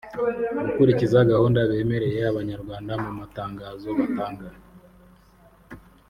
gukurikiza gahunda bemereye abanyarwanda mu matangazo batanga